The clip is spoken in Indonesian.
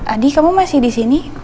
adi kamu masih disini